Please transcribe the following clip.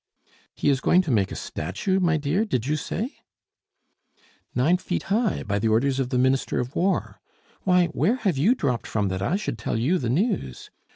"He is going to make a statue, my dear, did you say?" "Nine feet high by the orders of the Minister of War. Why, where have you dropped from that I should tell you the news?